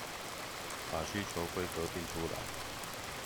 把需求規格訂出來